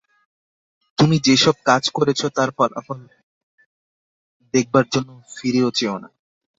তুমি যে-সব কাজ করেছ, তার ফলাফল দেখবার জন্য ফিরেও চেও না।